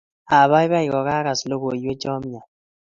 apaipai kokakas logoywecho miach